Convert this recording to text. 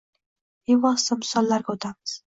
Bevosita misollarga o‘tamiz.